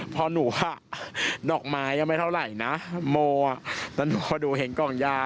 พอหนูอะนอกไม้ก็ไม่เท่าไหร่นะโมอ่ะแต่หนูดูเห็นกล่องยา